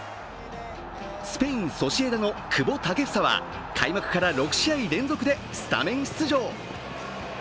スペイン・ソシエダの久保建英は開幕から６試合連続でスタメン出場。